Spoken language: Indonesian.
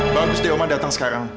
bagus di oma datang sekarang